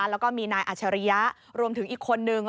แล้วก็มีนายอัชริยะรวมถึงอีกคนนึง